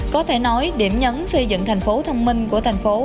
có thể nói điểm nhấn xây dựng thành phố thông minh của thành phố